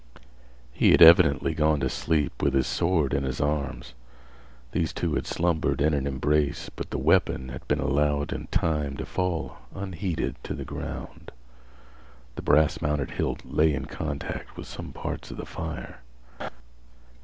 He had evidently gone to sleep with his sword in his arms. These two had slumbered in an embrace, but the weapon had been allowed in time to fall unheeded to the ground. The brass mounted hilt lay in contact with some parts of the fire.